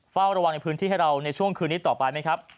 เฝ้าระวังในพื้นที่ให้เราในช่วงคืนนี้ต่อไปไหมครับ